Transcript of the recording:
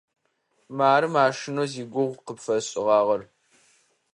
Мары машинэу зигугъу къыпфэсшӏыгъагъэр.